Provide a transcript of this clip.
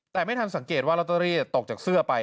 แต่ไม่ทันสังเกตว่าลอตเตอรี่ตกจากเสื้อไป